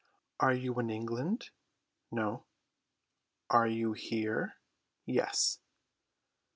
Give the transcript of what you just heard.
"Are you in England?" "No." "Are you here?" "Yes."